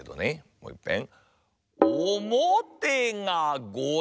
もういっぺん。